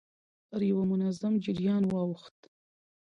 پر يوه منظم جريان واوښت.